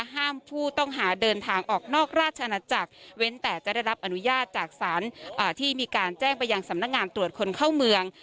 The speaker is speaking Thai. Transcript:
ห้ามผู้ต้องหาเดินทางออกนอกราชนาจักรเว้นแต่จะได้รับอนุญาตจากสารที่มีการแจ้งไปยังสำนักงานตรวจคนเข้าเมือง